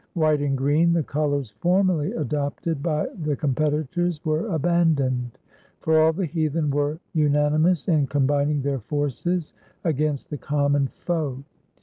White and green, the colors formerly adopted by the competi tors, were abandoned; for all the heathen were unani mous in combining their forces against the common foe.